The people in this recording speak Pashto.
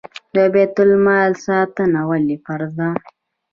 د بیت المال ساتنه ولې فرض ده؟